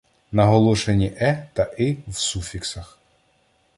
Ненаголошені е та и в суфіксах